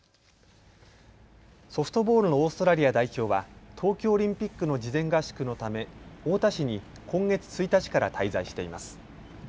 ソフトボールのオーストラリア代表は東京オリンピックの事前合宿のため太田市に今月１日から滞在しています。